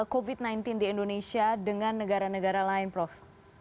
covid sembilan belas di indonesia dengan negara negara lain prof